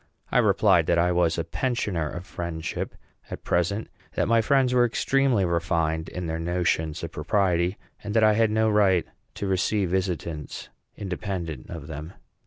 I replied that I was a pensioner of friendship at present; that friends were extremely refined in their notions of propriety; and that I had no right to receive visitants independent of them.